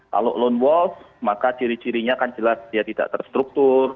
kalau lone wolf maka ciri cirinya kan jelas dia tidak terstruktur